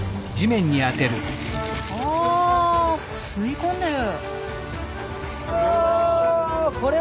あ吸い込んでる。